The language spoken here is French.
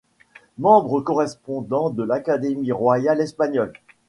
Membre correspondant de l'Académie royale espagnole.